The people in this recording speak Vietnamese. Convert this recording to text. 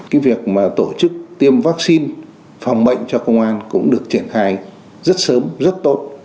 cái việc mà tổ chức tiêm vaccine phòng bệnh cho công an cũng được triển khai rất sớm rất tốt